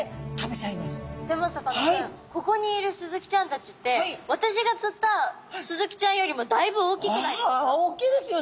ここにいるスズキちゃんたちって私が釣ったスズキちゃんよりもだいぶ大きくないですか？